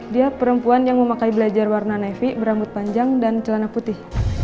dia perempuan yang memakai belajar warna nevi berambut panjang dan celana putih